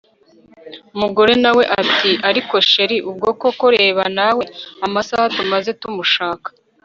umugore nawe ati ariko chr! ubwo koko reba nawe amasaha tumaze tumushaka